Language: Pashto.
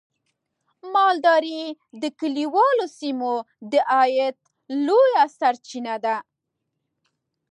مالداري د کليوالو سیمو د عاید لویه سرچینه ده.